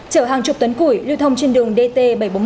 chở hàng chục tấn củi lưu thông trên đường dt